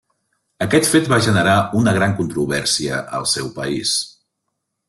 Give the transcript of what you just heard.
Aquest fet va generar una gran controvèrsia al seu país.